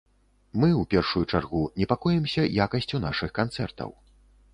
Мы, ў першую чаргу, непакоімся якасцю нашых канцэртаў.